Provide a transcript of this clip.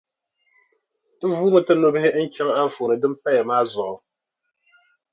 Ti vuumi ti nubihi n-chaŋ anfooni din paya maa zuɣu.